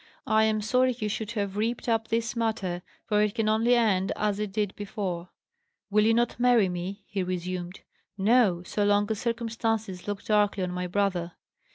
I am sorry you should have reaped up this matter, for it can only end as it did before." "Will you not marry me?" he resumed. "No. So long as circumstances look darkly on my brother."